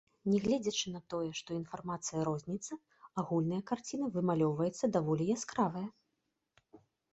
Нягледзячы на тое, што інфармацыя розніцца, агульная карціна вымалёўваецца даволі яскравая.